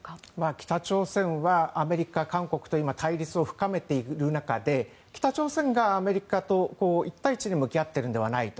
北朝鮮はアメリカ、韓国と今、対立を深めている中で北朝鮮がアメリカと１対１で向き合っているんではないと。